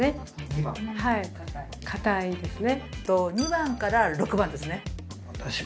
はい硬いですね